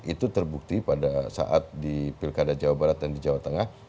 itu terbukti pada saat di pilkada jawa barat dan di jawa tengah